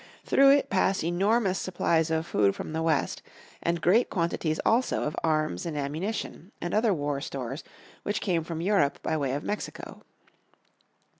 Through it passed enormous supplies of food from the West, and great quantities also of arms and ammunition, and other war stores, which came from Europe by way of Mexico.